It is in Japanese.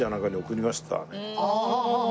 ああ！